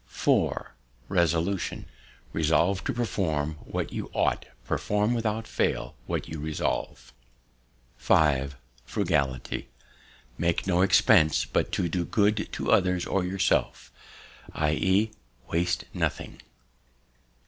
4. Resolution. Resolve to perform what you ought; perform without fail what you resolve. 5. Frugality. Make no expense but to do good to others or yourself; i. e., waste nothing.